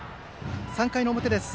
３回の表です。